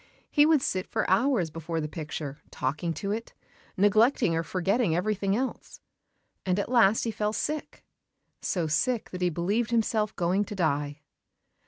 He would sit for hours before the picture, talking to it, neglecting or forgetting everything else. And at last he fell sick so sick that he believed himself going to die.